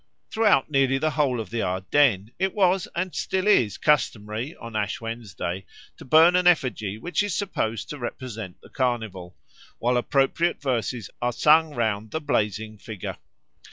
Throughout nearly the whole of the Ardennes it was and still is customary on Ash Wednesday to burn an effigy which is supposed to represent the Carnival, while appropriate verses are sung round about the blazing figure.